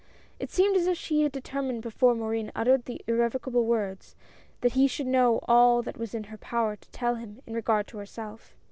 It seemed as if she had determined before Morin uttered the irrevocable words, that he should know all that was in her power to tell him in regard to herself.